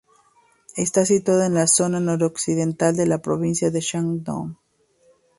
Está situada en la zona noroccidental de la provincia de Shandong.